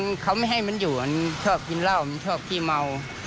คือเขาไม่ให้มันอยู่มันชอบกินเหล้ามันชอบขี้เมา